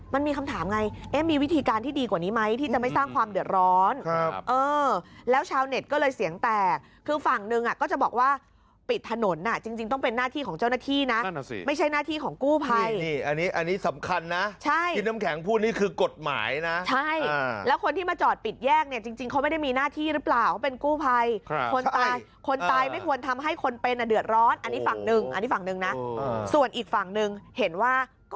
มันมีคำถามไงมีวิธีการที่ดีกว่านี้ไหมที่จะไม่สร้างความเดือดร้อนแล้วชาวเน็ตก็เลยเสียงแตกคือฝั่งหนึ่งก็จะบอกว่าปิดถนนจริงต้องเป็นหน้าที่ของเจ้าหน้าที่นะไม่ใช่หน้าที่ของกู้ภัยอันนี้สำคัญนะพี่น้ำแข็งพูดนี่คือกฎหมายนะแล้วคนที่มาจอดปิดแยกเนี่ยจริงเขาไม่ได้มีหน้าที่หรือเปล่า